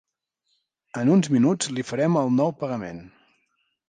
En uns minuts li farem el nou pagament.